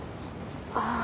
ああ。